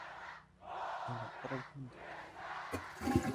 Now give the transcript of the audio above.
أين أقرب فندق؟